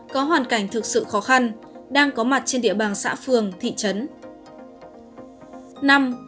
có hoàn cảnh thực sự khó khăn đang có mặt trên địa bàn xã phường thị trấn